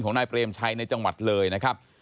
นายเปรมชัยในจังหวัดเลยนะครับ